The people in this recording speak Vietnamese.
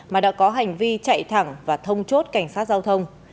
mà đã có hành vi chạy thẳng và thông chốt cảnh sát giao thông